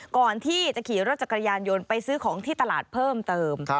ก่อนที่จะขี่รถจักรยานยนต์ไปซื้อของที่ตลาดเพิ่มเติม